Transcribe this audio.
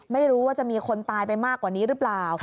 ไม่รู้ว่าจะมีคนตายไปมากกว่านี้หรือเปล่า